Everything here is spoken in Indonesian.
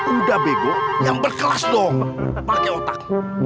udah bego yang berkelas dong pakai otak